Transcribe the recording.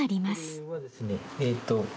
これはですねえっと